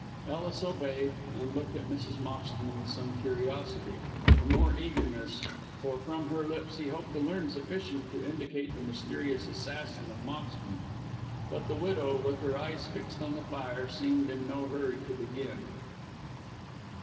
Ellis obeyed and looked at Mrs. Moxton with some curiosity, but more eagerness, for from her lips he hoped to learn sufficient to indicate the mysterious assassin of Moxton. But the widow, with her eyes fixed on the fire, seemed in no hurry to begin.